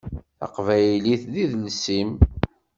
Taqbaylit d idles-im.